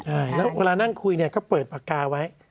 ใช่แล้วเวลานั่งคุยเนี่ยก็เปิดปากกาไว้